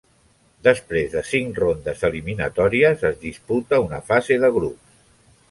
Després de cinc rondes eliminatòries, es disputa una fase de grups.